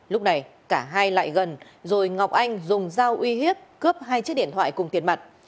lúc này cả hai lại gần rồi ngọc anh dùng dao uy hiếp cướp hai chiếc điện thoại cùng tiền mặt